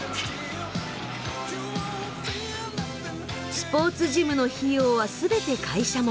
スポーツジムの費用は全て会社持ち。